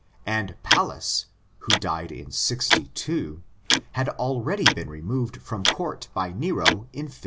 And Pallas, who died in 62, had already been removed from Court by Nero in 56.